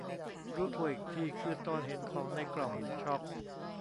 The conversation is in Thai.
รู้ตัวอีกทีคือตอนเห็นของในกล่อง ช็อค